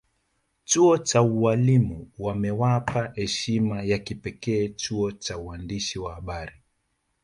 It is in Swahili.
Chuo cha ualimu wamewapa heshima ya kipekee chuo cha uandishi wa habari